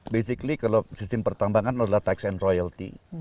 basically kalau sistem pertambangan adalah tax and royalty